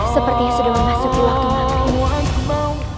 sepertinya sudah memasuki waktu maghrib